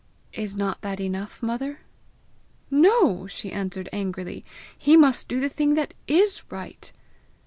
"Is not that enough, mother?" "No," she answered angrily; "he must do the thing that is right."